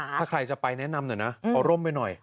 ถ้าใครจะไปแนะนำหน่อยนะเอาร่มไปหน่อย